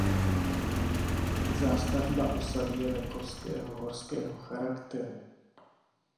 Zástavba osady je venkovského horského charakteru.